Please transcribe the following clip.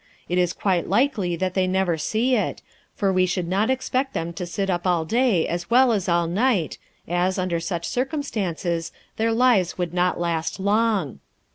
It is quite likely that they never see it; for we should not expect them to sit up all day as well as all night, as, under such circumstances, their lives would not last long.